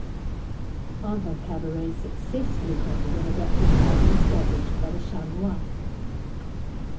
Other cabarets successfully copied and adapted the model established by the Chat Noir.